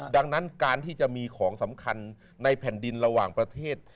ดังนั้นการที่จะมีของสำคัญในแผ่นดินระหว่างประเทศ